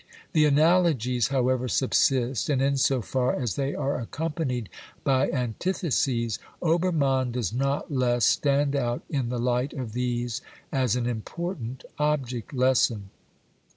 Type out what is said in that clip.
The analogies, how ever, subsist, and in so far as they are accompanied by antitheses, Obermann does not less stand out in the light of these as an important object lesson.